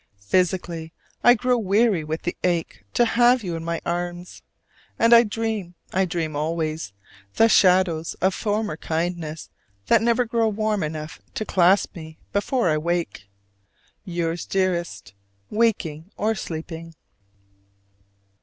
physically I grow weary with the ache to have you in my arms. And I dream, I dream always, the shadows of former kindness that never grow warm enough to clasp me before I wake. Yours, dearest, waking or sleeping.